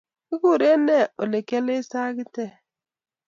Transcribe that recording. Kigureen ne olegiale sagitek?